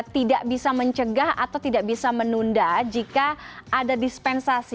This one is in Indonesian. tidak bisa mencegah atau tidak bisa menunda jika ada dispensasi